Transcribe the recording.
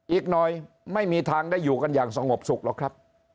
อีกหน่อยไม่มีทางได้อยู่กันอย่างสงบสุขหรอกครับ